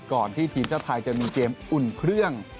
ก่อนที่ทีมชาติไทยจะมีเกมอุ่นเครื่อง